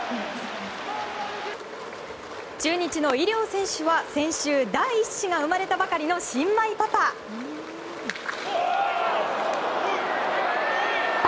中日の井領選手は先週、第１子が生まれたばかりの新米パパ。